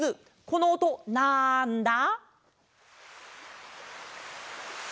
このおとなんだ？